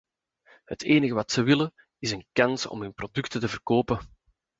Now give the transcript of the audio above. Het enige wat ze willen is een kans om hun producten te verkopen.